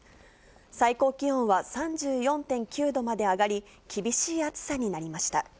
最高気温は３４．９度まで上がり、厳しい暑さになりました。